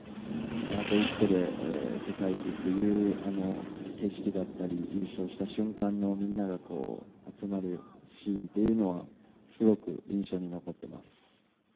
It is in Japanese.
あと１個で世界一という景色だったり優勝した瞬間のみんなが集まるシーンというのはすごく印象に残ってます。